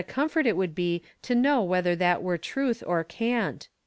comfort it would be to know whether that were truth or cant